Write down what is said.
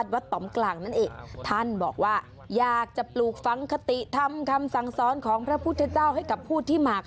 เป็นศัตรู